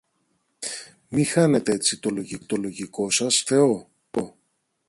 μη χάνετε έτσι το λογικό σας, για το Θεό!